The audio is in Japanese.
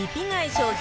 商品